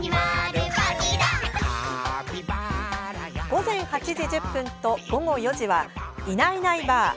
午前８時１０分と午後４時は「いないいないばあっ！